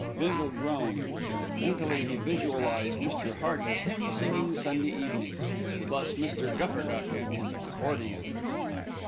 Bindle groaned. Mentally he visualised Mr. Hearty's hymn singing Sunday evenings, plus Mr. Gupperduck and his accordion.